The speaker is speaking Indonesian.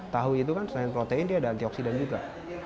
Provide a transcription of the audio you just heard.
tahu itu kan selain protein dia ada antioksidan juga